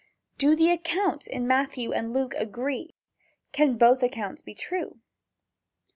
Do the accounts in Matthew and Luke agree? Can both accounts be true?